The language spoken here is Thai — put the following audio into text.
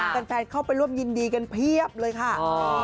แฟนเข้าไปร่วมยินดีกันเพียบเลยค่ะ